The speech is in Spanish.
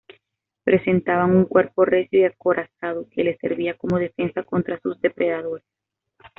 Presentaba un cuerpo recio y acorazado que le servía como defensa contra sus depredadores.